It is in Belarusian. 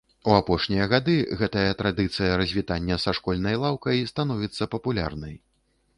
У апошнія гады гэтая традыцыя развітання са школьнай лаўкай становіцца папулярнай.